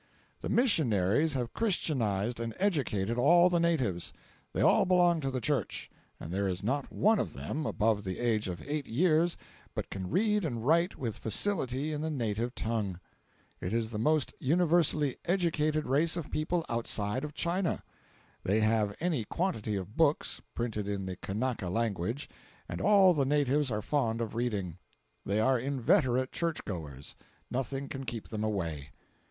The missionaries have christianized and educated all the natives. They all belong to the Church, and there is not one of them, above the age of eight years, but can read and write with facility in the native tongue. It is the most universally educated race of people outside of China. They have any quantity of books, printed in the Kanaka language, and all the natives are fond of reading. They are inveterate church goers—nothing can keep them away.